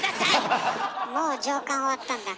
もう上巻終わったんだ。